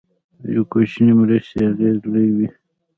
د یو کوچنۍ مرستې اغېز لوی وي.